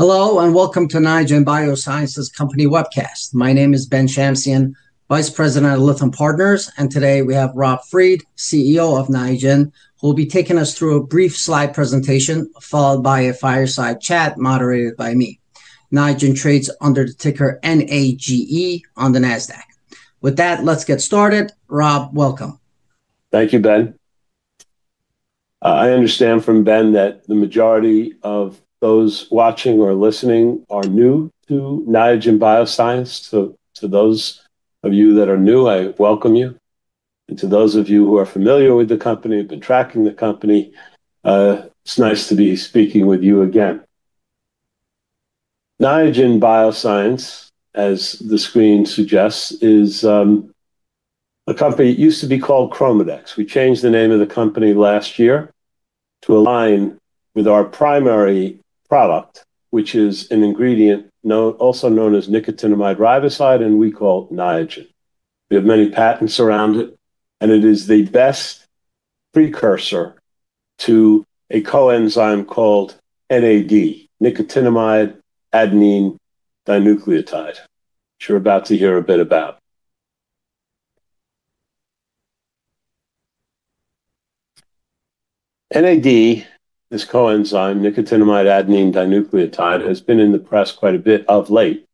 Hello, and welcome to Niagen Bioscience's company webcast. My name is Ben Shamsian, Vice President of Lytham Partners, and today we have Rob Fried, CEO of Niagen, who will be taking us through a brief slide presentation followed by a fireside chat moderated by me. Niagen trades under the ticker NAGE on the Nasdaq. With that, let's get started. Rob, welcome. Thank you, Ben. I understand from Ben that the majority of those watching or listening are new to Niagen Bioscience. So to those of you that are new, I welcome you, and to those of you who are familiar with the company, have been tracking the company, it's nice to be speaking with you again. Niagen Bioscience, as the screen suggests, is a company that used to be called ChromaDex. We changed the name of the company last year to align with our primary product, which is an ingredient also known as nicotinamide riboside, and we call it Niagen. We have many patents around it, and it is the best precursor to a coenzyme called NAD, nicotinamide adenine dinucleotide, which you're about to hear a bit about. NAD, this coenzyme, nicotinamide adenine dinucleotide, has been in the press quite a bit of late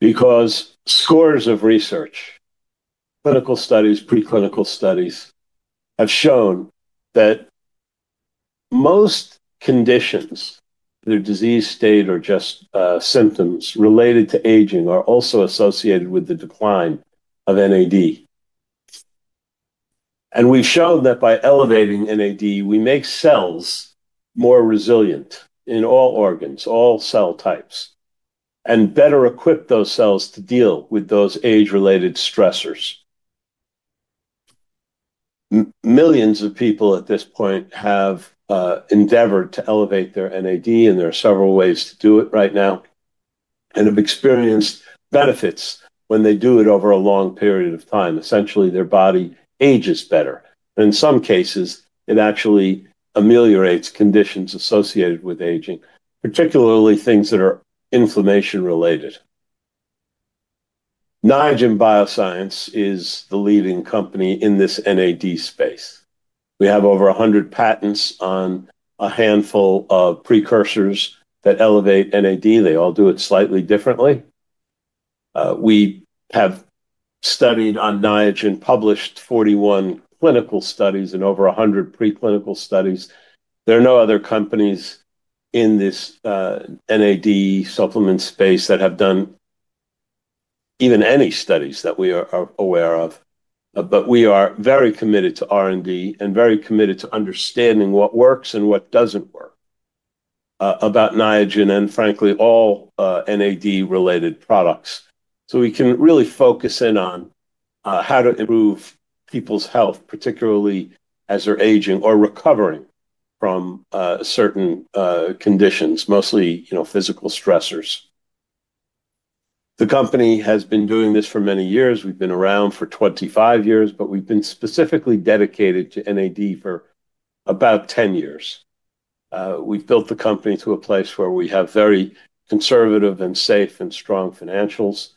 because scores of research, clinical studies, preclinical studies, have shown that most conditions, their disease state or just symptoms related to aging, are also associated with the decline of NAD, and we've shown that by elevating NAD, we make cells more resilient in all organs, all cell types, and better equip those cells to deal with those age-related stressors. Millions of people at this point have endeavored to elevate their NAD, and there are several ways to do it right now, and have experienced benefits when they do it over a long period of time. Essentially, their body ages better. In some cases, it actually ameliorates conditions associated with aging, particularly things that are inflammation-related. Niagen Bioscience is the leading company in this NAD space. We have over 100 patents on a handful of precursors that elevate NAD. They all do it slightly differently. We have studied on Niagen, published 41 clinical studies and over 100 preclinical studies. There are no other companies in this NAD supplement space that have done even any studies that we are aware of. But we are very committed to R&D and very committed to understanding what works and what doesn't work about Niagen and, frankly, all NAD-related products. So we can really focus in on how to improve people's health, particularly as they're aging or recovering from certain conditions, mostly physical stressors. The company has been doing this for many years. We've been around for 25 years, but we've been specifically dedicated to NAD for about 10 years. We've built the company to a place where we have very conservative and safe and strong financials.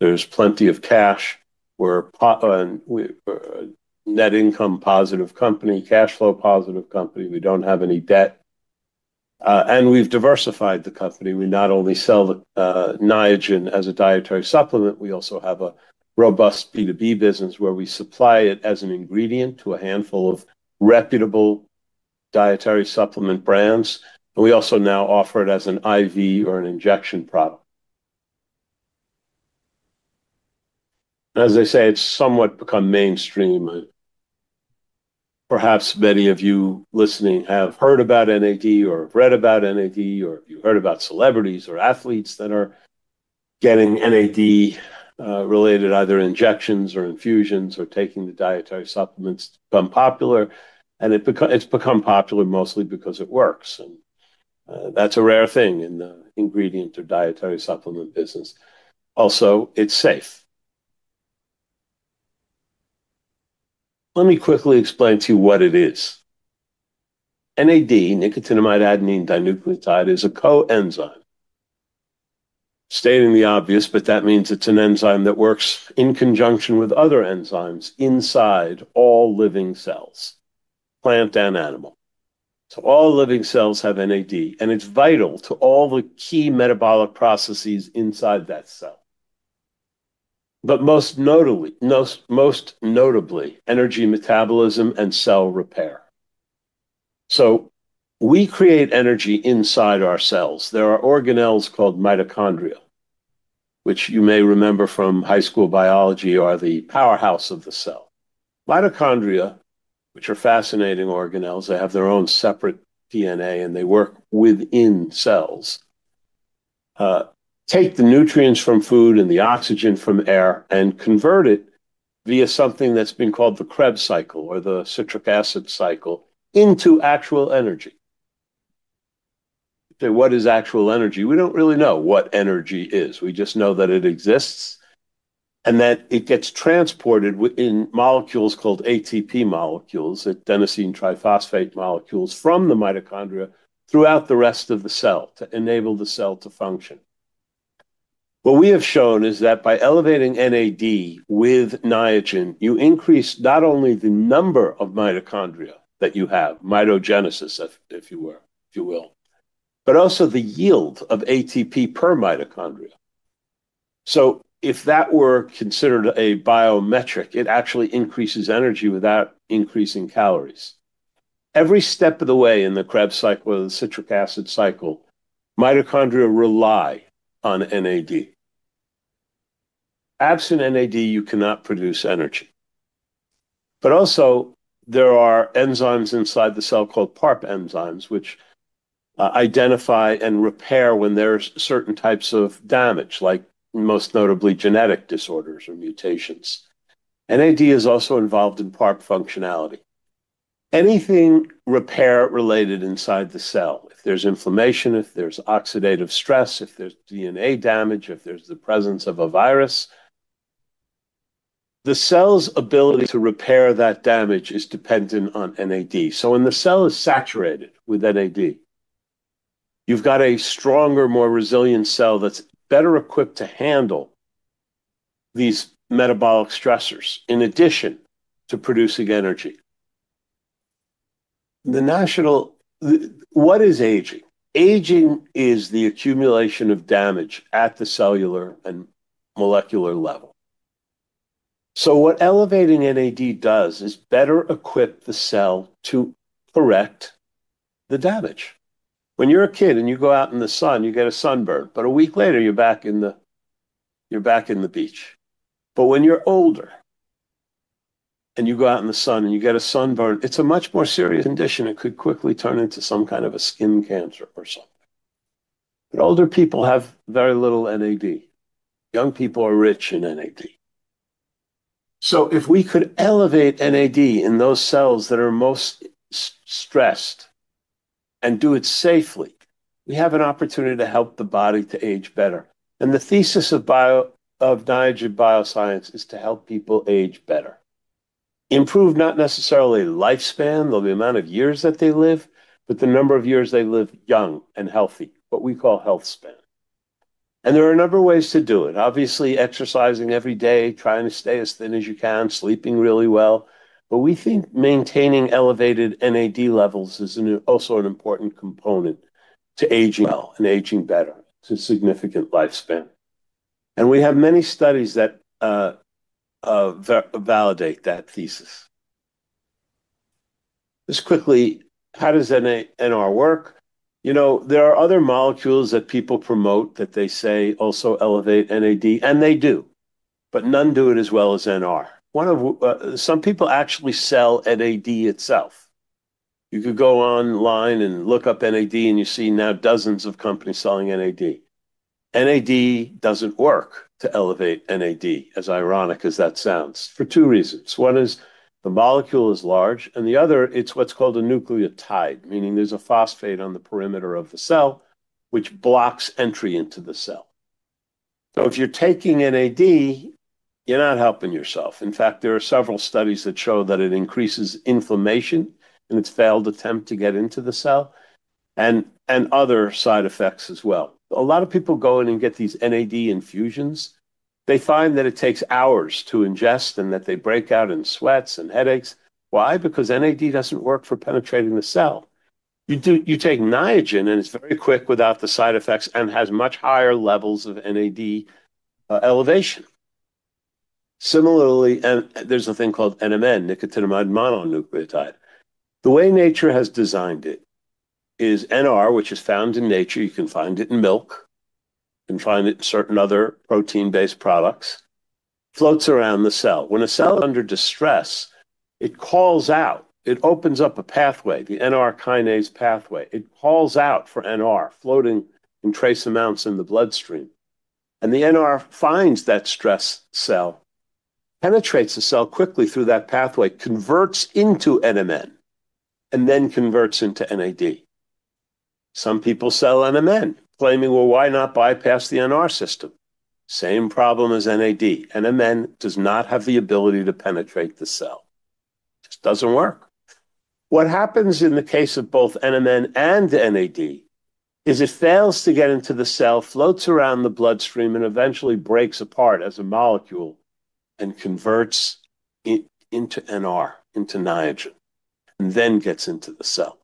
There's plenty of cash. We're a net income-positive company, cash flow-positive company. We don't have any debt. And we've diversified the company. We not only sell Niagen as a dietary supplement, we also have a robust B2B business where we supply it as an ingredient to a handful of reputable dietary supplement brands. And we also now offer it as an IV or an injection product. As I say, it's somewhat become mainstream. Perhaps many of you listening have heard about NAD or have read about NAD, or you've heard about celebrities or athletes that are getting NAD-related either injections or infusions or taking the dietary supplements to become popular. And it's become popular mostly because it works. And that's a rare thing in the ingredient or dietary supplement business. Also, it's safe. Let me quickly explain to you what it is. NAD, nicotinamide adenine dinucleotide, is a coenzyme. Stating the obvious, but that means it's an enzyme that works in conjunction with other enzymes inside all living cells, plant and animal. So all living cells have NAD, and it's vital to all the key metabolic processes inside that cell. But most notably, energy metabolism and cell repair. So we create energy inside our cells. There are organelles called mitochondria, which you may remember from high school biology are the powerhouse of the cell. Mitochondria, which are fascinating organelles, they have their own separate DNA, and they work within cells. Take the nutrients from food and the oxygen from air and convert it via something that's been called the Krebs cycle or the citric acid cycle into actual energy. What is actual energy? We don't really know what energy is. We just know that it exists and that it gets transported in molecules called ATP molecules, adenosine triphosphate molecules from the mitochondria throughout the rest of the cell to enable the cell to function. What we have shown is that by elevating NAD with Niagen, you increase not only the number of mitochondria that you have, mitogenesis, if you will, but also the yield of ATP per mitochondria. So if that were considered a biometric, it actually increases energy without increasing calories. Every step of the way in the Krebs cycle or the citric acid cycle, mitochondria rely on NAD. Absent NAD, you cannot produce energy. But also, there are enzymes inside the cell called PARP enzymes, which identify and repair when there are certain types of damage, like most notably genetic disorders or mutations. NAD is also involved in PARP functionality. Anything repair-related inside the cell, if there's inflammation, if there's oxidative stress, if there's DNA damage, if there's the presence of a virus, the cell's ability to repair that damage is dependent on NAD. So when the cell is saturated with NAD, you've got a stronger, more resilient cell that's better equipped to handle these metabolic stressors in addition to producing energy. What is aging? Aging is the accumulation of damage at the cellular and molecular level. So what elevating NAD does is better equip the cell to correct the damage. When you're a kid and you go out in the sun, you get a sunburn. But a week later, you're back in the beach. But when you're older and you go out in the sun and you get a sunburn, it's a much more serious condition. It could quickly turn into some kind of a skin cancer or something. Older people have very little NAD. Young people are rich in NAD. So if we could elevate NAD in those cells that are most stressed and do it safely, we have an opportunity to help the body to age better. The thesis of Niagen Bioscience is to help people age better. Improve not necessarily lifespan, the amount of years that they live, but the number of years they live young and healthy, what we call healthspan. There are a number of ways to do it. Obviously, exercising every day, trying to stay as thin as you can, sleeping really well. We think maintaining elevated NAD levels is also an important component to aging well and aging better. It's a significant lifespan. We have many studies that validate that thesis. Just quickly, how does NR work? You know, there are other molecules that people promote that they say also elevate NAD, and they do, but none do it as well as NR. Some people actually sell NAD itself. You could go online and look up NAD, and you see now dozens of companies selling NAD. NAD doesn't work to elevate NAD, as ironic as that sounds, for two reasons. One is the molecule is large, and the other, it's what's called a nucleotide, meaning there's a phosphate on the perimeter of the cell, which blocks entry into the cell. So if you're taking NAD, you're not helping yourself. In fact, there are several studies that show that it increases inflammation in its failed attempt to get into the cell and other side effects as well. A lot of people go in and get these NAD infusions. They find that it takes hours to ingest and that they break out in sweats and headaches. Why? Because NAD doesn't work for penetrating the cell. You take Niagen, and it's very quick without the side effects and has much higher levels of NAD elevation. Similarly, there's a thing called NMN, nicotinamide mononucleotide. The way nature has designed it is NR, which is found in nature. You can find it in milk. You can find it in certain other protein-based products. It floats around the cell. When a cell is under distress, it calls out. It opens up a pathway, the NR kinase pathway. It calls out for NR, floating in trace amounts in the bloodstream, and the NR finds that stress cell, penetrates the cell quickly through that pathway, converts into NMN, and then converts into NAD. Some people sell NMN, claiming, "Well, why not bypass the NR system?" Same problem as NAD. NMN does not have the ability to penetrate the cell. It just doesn't work. What happens in the case of both NMN and NAD is it fails to get into the cell, floats around the bloodstream, and eventually breaks apart as a molecule and converts into NR, into Niagen, and then gets into the cell.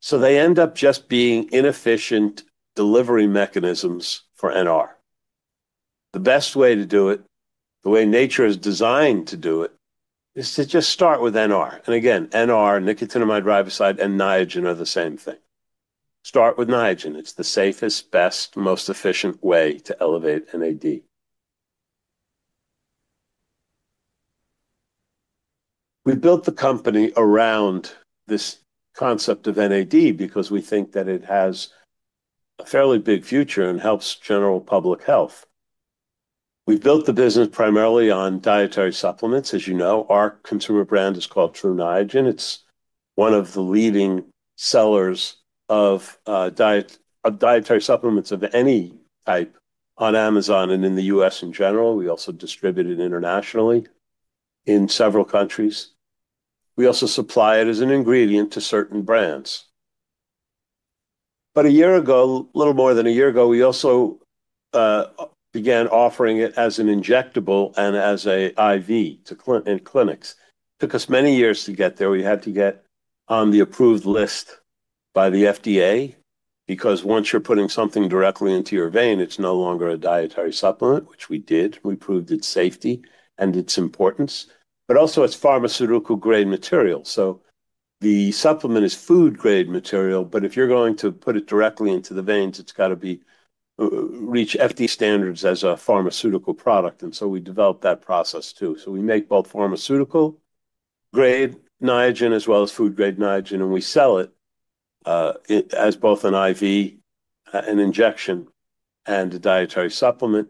So they end up just being inefficient delivery mechanisms for NR. The best way to do it, the way nature is designed to do it, is to just start with NR. And again, NR, nicotinamide riboside, and Niagen are the same thing. Start with Niagen. It's the safest, best, most efficient way to elevate NAD. We built the company around this concept of NAD because we think that it has a fairly big future and helps general public health. We've built the business primarily on dietary supplements. As you know, our consumer brand is called Tru Niagen. It's one of the leading sellers of dietary supplements of any type on Amazon and in the U.S. in general. We also distribute it internationally in several countries. We also supply it as an ingredient to certain brands. But a year ago, a little more than a year ago, we also began offering it as an injectable and as an IV in clinics. It took us many years to get there. We had to get on the approved list by the FDA because once you're putting something directly into your vein, it's no longer a dietary supplement, which we did. We proved its safety and its importance, but also it's pharmaceutical-grade material. The supplement is food-grade material, but if you're going to put it directly into the veins, it's got to reach FDA standards as a pharmaceutical product. And so we developed that process too. We make both pharmaceutical-grade Niagen as well as food-grade Niagen, and we sell it as both an IV, an injection, and a dietary supplement.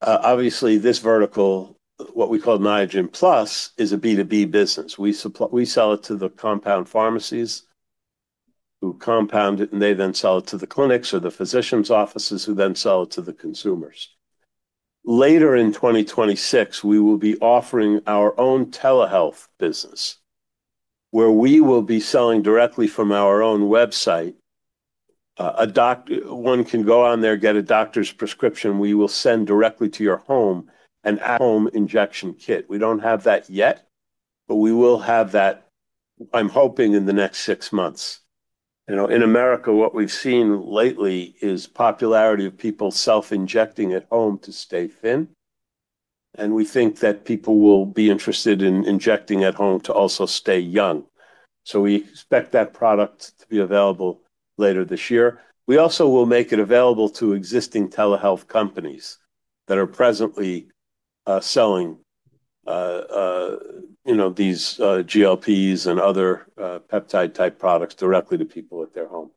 Obviously, this vertical, what we call Niagen Plus, is a B2B business. We sell it to the compound pharmacies who compound it, and they then sell it to the clinics or the physicians' offices who then sell it to the consumers. Later in 2026, we will be offering our own telehealth business where we will be selling directly from our own website. One can go on there, get a doctor's prescription. We will send directly to your home a home injection kit. We don't have that yet, but we will have that, I'm hoping, in the next six months. In America, what we've seen lately is the popularity of people self-injecting at home to stay thin, and we think that people will be interested in injecting at home to also stay young, so we expect that product to be available later this year. We also will make it available to existing telehealth companies that are presently selling these GLP-1s and other peptide-type products directly to people at their home.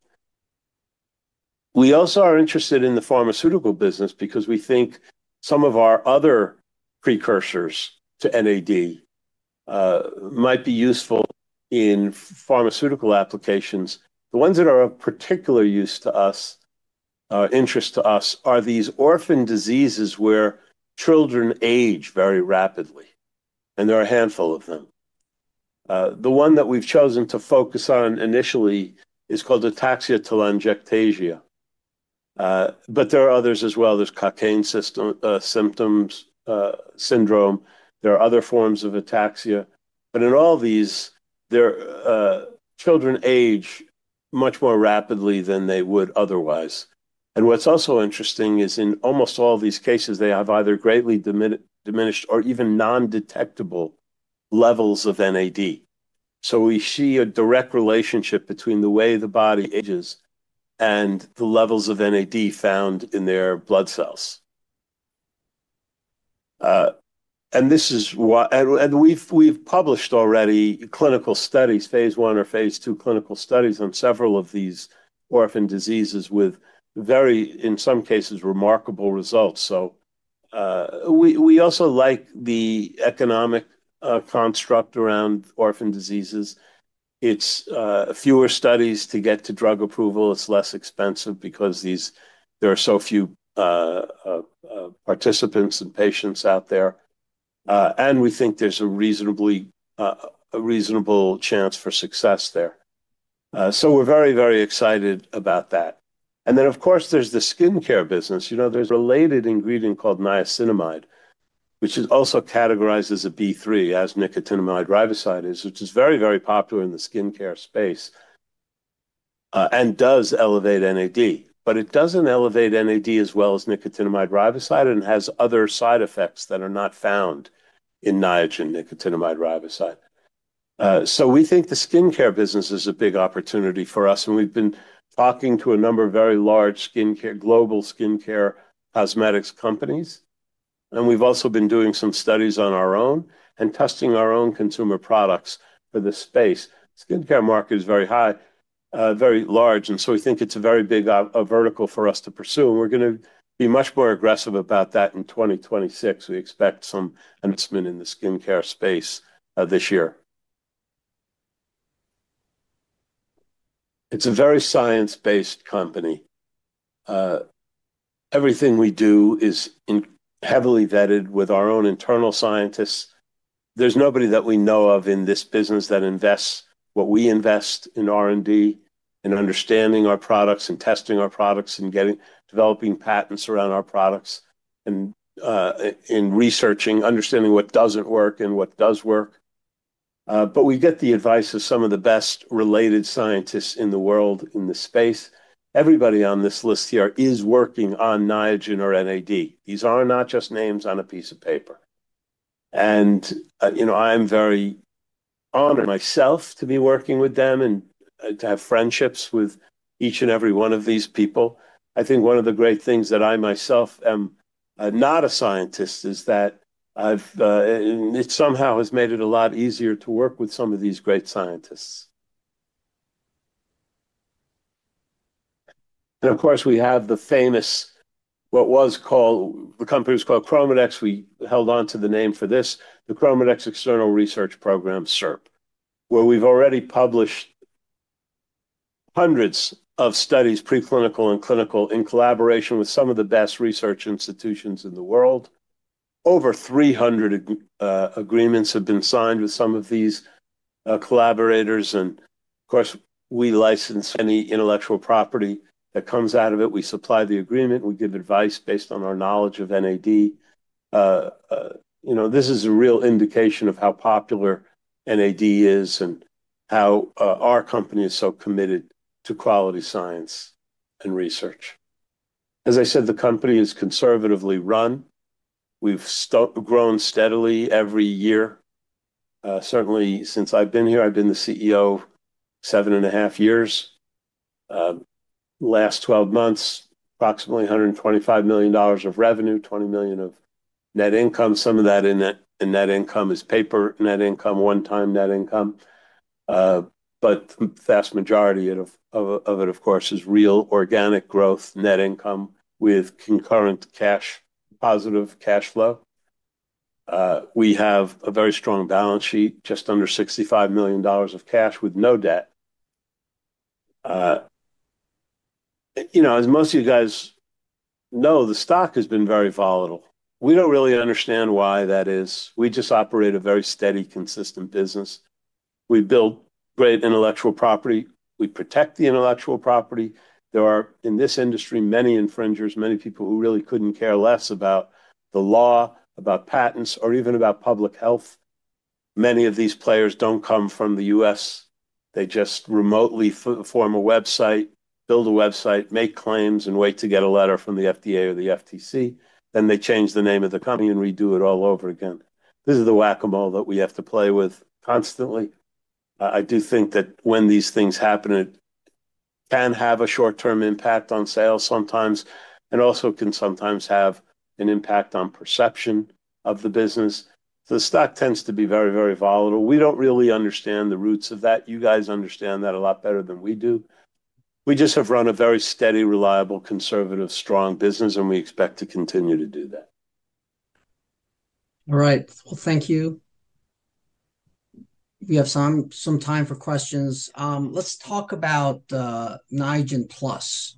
We also are interested in the pharmaceutical business because we think some of our other precursors to NAD might be useful in pharmaceutical applications. The ones that are of particular use to us, interest to us, are these orphan diseases where children age very rapidly, and there are a handful of them. The one that we've chosen to focus on initially is called Ataxia-telangiectasia. But there are others as well. There's Cockayne syndrome. There are other forms of ataxia. But in all these, children age much more rapidly than they would otherwise. And what's also interesting is in almost all these cases, they have either greatly diminished or even non-detectable levels of NAD. So we see a direct relationship between the way the body ages and the levels of NAD found in their blood cells. And we've published already clinical studies, phase one or phase two clinical studies on several of these orphan diseases with very, in some cases, remarkable results. So we also like the economic construct around orphan diseases. It's fewer studies to get to drug approval. It's less expensive because there are so few participants and patients out there. And we think there's a reasonable chance for success there. So we're very, very excited about that. And then, of course, there's the skincare business. There's a related ingredient called niacinamide, which is also categorized as a B3, as nicotinamide riboside is, which is very, very popular in the skincare space and does elevate NAD. But it doesn't elevate NAD as well as nicotinamide riboside and has other side effects that are not found in Niagen, nicotinamide riboside. So we think the skincare business is a big opportunity for us. And we've been talking to a number of very large global skincare cosmetics companies. And we've also been doing some studies on our own and testing our own consumer products for the space. The skincare market is very high, very large. And so we think it's a very big vertical for us to pursue. We're going to be much more aggressive about that in 2026. We expect some announcement in the skincare space this year. It's a very science-based company. Everything we do is heavily vetted with our own internal scientists. There's nobody that we know of in this business that invests what we invest in R&D and understanding our products and testing our products and developing patents around our products and researching, understanding what doesn't work and what does work. But we get the advice of some of the best related scientists in the world in the space. Everybody on this list here is working on Niagen or NAD. These are not just names on a piece of paper. I'm very honored myself to be working with them and to have friendships with each and every one of these people. I think one of the great things that I myself am not a scientist is that it somehow has made it a lot easier to work with some of these great scientists. And of course, we have the famous, what was called, the company was called ChromaDex. We held on to the name for this, the ChromaDex External Research Program, CERP, where we've already published hundreds of studies, preclinical and clinical, in collaboration with some of the best research institutions in the world. Over 300 agreements have been signed with some of these collaborators. And of course, we license any intellectual property that comes out of it. We supply the agreement. We give advice based on our knowledge of NAD. This is a real indication of how popular NAD is and how our company is so committed to quality science and research. As I said, the company is conservatively run. We've grown steadily every year. Certainly, since I've been here, I've been the CEO seven and a half years. Last 12 months, approximately $125 million of revenue, $20 million of net income. Some of that in net income is paper net income, one-time net income. But the vast majority of it, of course, is real organic growth, net income with concurrent cash, positive cash flow. We have a very strong balance sheet, just under $65 million of cash with no debt. As most of you guys know, the stock has been very volatile. We don't really understand why that is. We just operate a very steady, consistent business. We build great intellectual property. We protect the intellectual property. There are, in this industry, many infringers, many people who really couldn't care less about the law, about patents, or even about public health. Many of these players don't come from the U.S. They just remotely form a website, build a website, make claims, and wait to get a letter from the FDA or the FTC. Then they change the name of the company and redo it all over again. This is the whack-a-mole that we have to play with constantly. I do think that when these things happen, it can have a short-term impact on sales sometimes and also can sometimes have an impact on perception of the business. So the stock tends to be very, very volatile. We don't really understand the roots of that. You guys understand that a lot better than we do. We just have run a very steady, reliable, conservative, strong business, and we expect to continue to do that. All right. Well, thank you. We have some time for questions. Let's talk about Niagen Plus.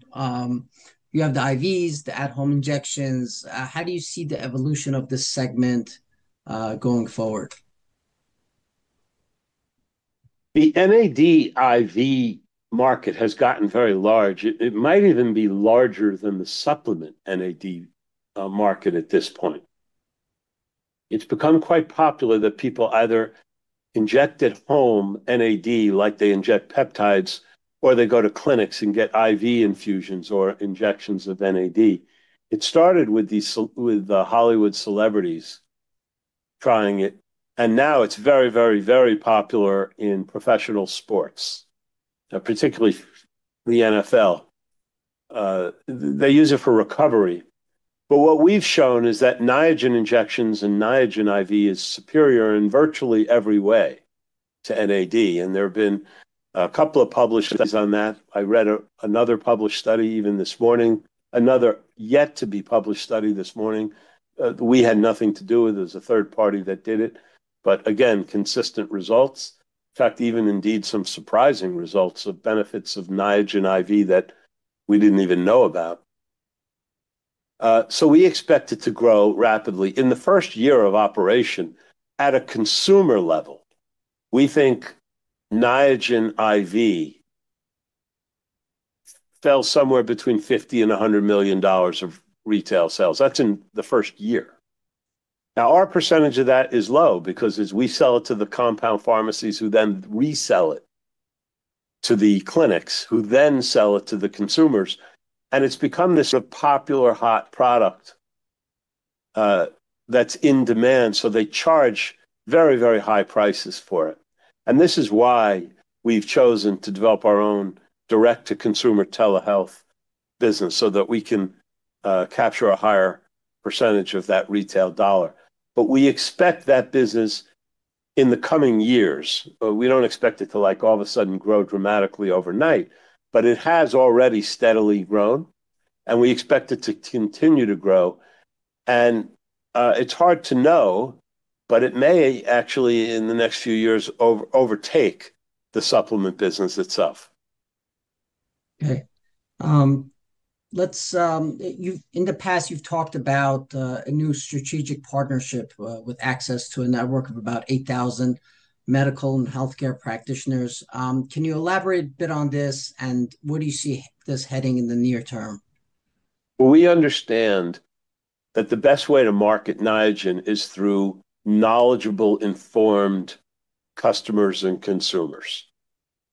You have the IVs, the at-home injections. How do you see the evolution of this segment going forward? The NAD IV market has gotten very large. It might even be larger than the supplement NAD market at this point. It's become quite popular that people either inject at home NAD like they inject peptides, or they go to clinics and get IV infusions or injections of NAD. It started with the Hollywood celebrities trying it. And now it's very, very, very popular in professional sports, particularly the NFL. They use it for recovery. But what we've shown is that Niagen injections and Niagen IV is superior in virtually every way to NAD. And there have been a couple of published studies on that. I read another published study even this morning, another yet-to-be-published study this morning. We had nothing to do with it. It was a third party that did it, but again, consistent results. In fact, even indeed some surprising results of benefits of Niagen IV that we didn't even know about, so we expect it to grow rapidly. In the first year of operation, at a consumer level, we think Niagen IV fell somewhere between $50 million-$100 million of retail sales. That's in the first year. Now, our percentage of that is low because we sell it to the compound pharmacies who then resell it to the clinics who then sell it to the consumers, and it's become this sort of popular hot product that's in demand, so they charge very, very high prices for it. And this is why we've chosen to develop our own direct-to-consumer telehealth business so that we can capture a higher percentage of that retail dollar, but we expect that business in the coming years. We don't expect it to all of a sudden grow dramatically overnight, but it has already steadily grown. And we expect it to continue to grow. And it's hard to know, but it may actually, in the next few years, overtake the supplement business itself. Okay. In the past, you've talked about a new strategic partnership with access to a network of about 8,000 medical and healthcare practitioners. Can you elaborate a bit on this and where do you see this heading in the near term? Well, we understand that the best way to market Niagen is through knowledgeable, informed customers and consumers.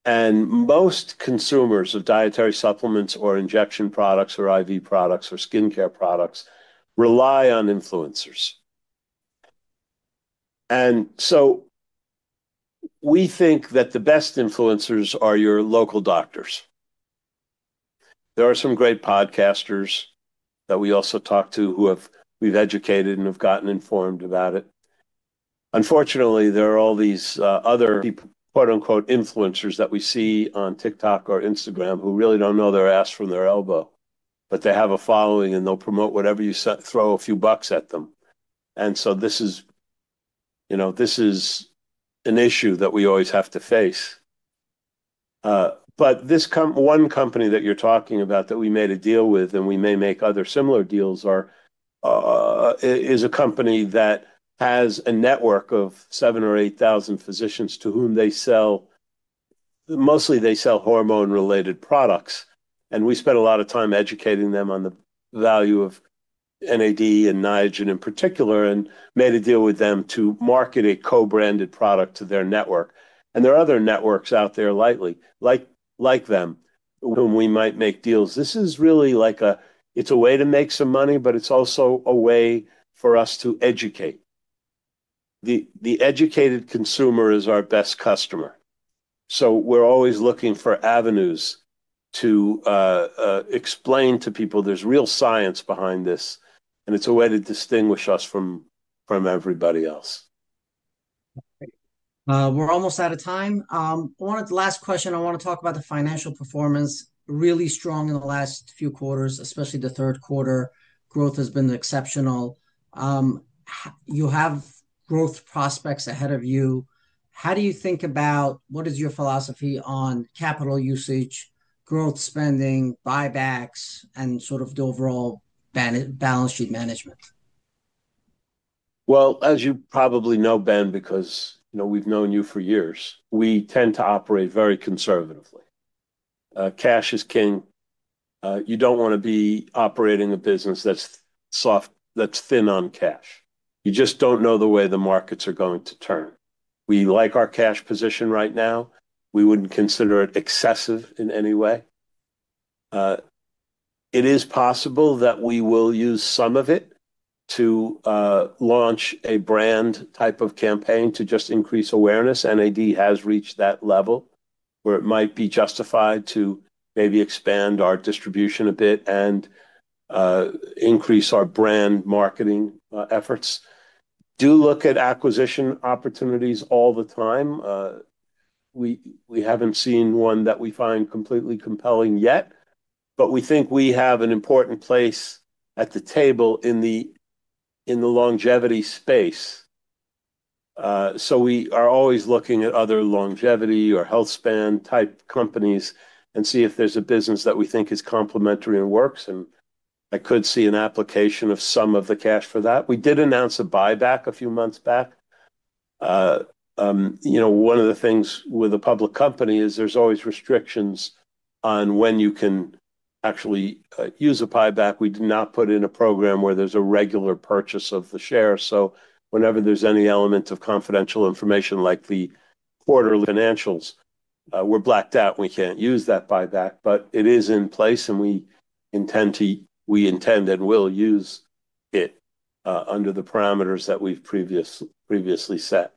And most consumers of dietary supplements or injection products or IV products or skincare products rely on influencers. And so we think that the best influencers are your local doctors. There are some great podcasters that we also talk to who we've educated and have gotten informed about it. Unfortunately, there are all these other "influencers" that we see on TikTok or Instagram who really don't know their ass from their elbow, but they have a following, and they'll promote whatever you throw a few bucks at them. And so this is an issue that we always have to face. But this one company that you're talking about that we made a deal with, and we may make other similar deals, is a company that has a network of 7,000 or 8,000 physicians to whom they sell mostly hormone-related products. And we spent a lot of time educating them on the value of NAD and Niagen in particular and made a deal with them to market a co-branded product to their network. And there are other networks out there like them whom we might make deals. This is really like a, it's a way to make some money, but it's also a way for us to educate. The educated consumer is our best customer. So we're always looking for avenues to explain to people there's real science behind this, and it's a way to distinguish us from everybody else. We're almost out of time. One of the last questions, I want to talk about the financial performance. Really strong in the last few quarters, especially the third quarter. Growth has been exceptional. You have growth prospects ahead of you. How do you think about what is your philosophy on capital usage, growth spending, buybacks, and sort of the overall balance sheet management? Well, as you probably know, Ben, because we've known you for years, we tend to operate very conservatively. Cash is king. You don't want to be operating a business that's thin on cash. You just don't know the way the markets are going to turn. We like our cash position right now. We wouldn't consider it excessive in any way. It is possible that we will use some of it to launch a brand type of campaign to just increase awareness. NAD has reached that level where it might be justified to maybe expand our distribution a bit and increase our brand marketing efforts. We do look at acquisition opportunities all the time. We haven't seen one that we find completely compelling yet, but we think we have an important place at the table in the longevity space. So we are always looking at other longevity or healthspan type companies and see if there's a business that we think is complementary and works. I could see an application of some of the cash for that. We did announce a buyback a few months back. One of the things with a public company is there's always restrictions on when you can actually use a buyback. We do not put in a program where there's a regular purchase of the share. So whenever there's any element of confidential information like the quarterly financials, we're blacked out and we can't use that buyback. But it is in place, and we intend to—we intend and will use it under the parameters that we've previously set.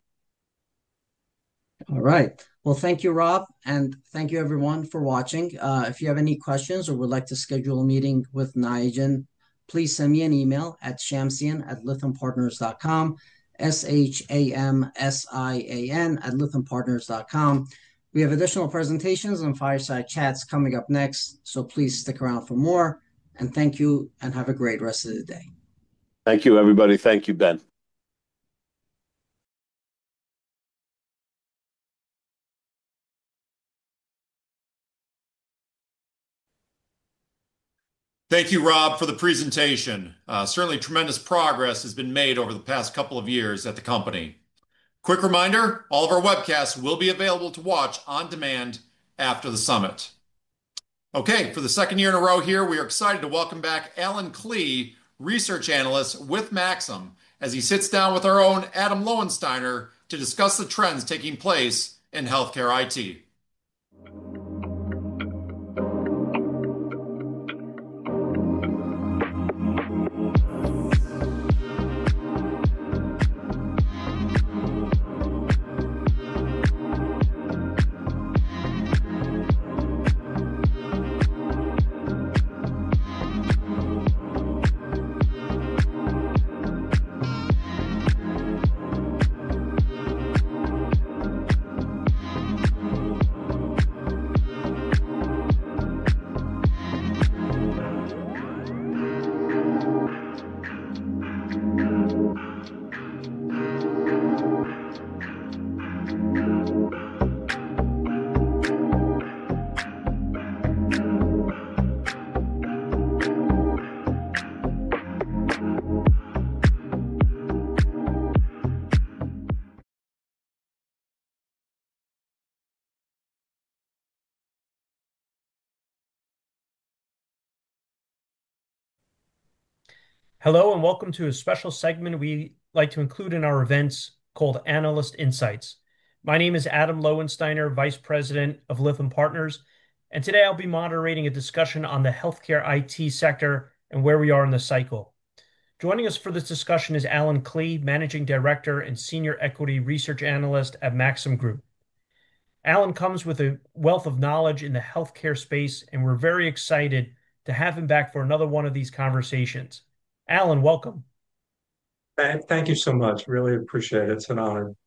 All right. Well, thank you, Rob, and thank you, everyone, for watching. If you have any questions or would like to schedule a meeting with Niagen, please send me an email at shamsian@lythampartners.com, shamsian@lythampartners.com. We have additional presentations and fireside chats coming up next. So please stick around for more. And thank you, and have a great rest of the day. Thank you, everybody. Thank you, Ben. Thank you, Rob, for the presentation. Certainly, tremendous progress has been made over the past couple of years at the company. Quick reminder, all of our webcasts will be available to watch on demand after the summit. Okay, for the second year in a row here, we are excited to welcome back Allen Klee, research analyst with Maxim, as he sits down with our own Adam Lowensteiner to discuss the trends taking place in healthcare IT. Hello and welcome to a special segment we like to include in our events called Analyst Insights. My name is Adam Lowensteiner, Vice President of Lytham Partners. And today, I'll be moderating a discussion on the healthcare IT sector and where we are in the cycle. Joining us for this discussion is Allen Klee, Managing Director and Senior Equity Research Analyst at Maxim Group. Allen comes with a wealth of knowledge in the healthcare space, and we're very excited to have him back for another one of these conversations. Allen, welcome. Thank you so much. Really appreciate it. It's an honor.